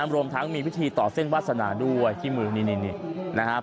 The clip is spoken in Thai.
รวมทั้งมีพิธีต่อเส้นวาสนาด้วยที่มือนี่นะครับ